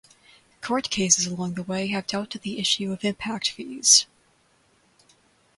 Court cases along the way have dealt with the issue of impact fees.